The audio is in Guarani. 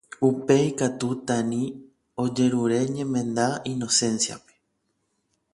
Upéi katu Tani ojerure ñemenda Inocencia-pe.